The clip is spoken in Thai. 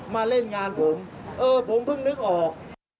มาเล่นงานผมเออผมเพิ่งนึกออก